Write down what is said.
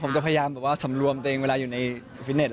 พุ่งจะพยายามสำรวมเตียงเวลาอยู่ในฟิตเนต